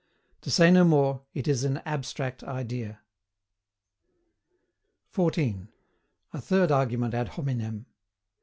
To say no more, it is an ABSTRACT IDEA. 14. A THIRD ARGUMENT AD HOMINEM.